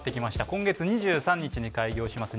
今月２３日に開業します